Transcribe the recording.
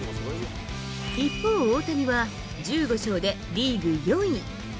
一方、大谷は１５勝でリーグ４位。